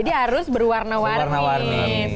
jadi harus berwarna warni